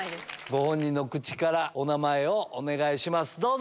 ご本人の口からお名前をお願いします。